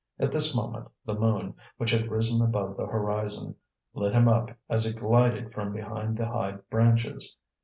At this moment the moon, which had risen above the horizon, lit him up as it glided from behind the high branches.